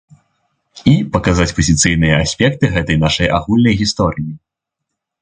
І паказаць пазіцыйныя аспекты гэтай нашай агульнай гісторыі.